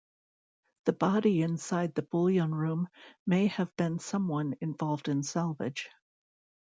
The body inside the bullion room may have been someone involved in salvage.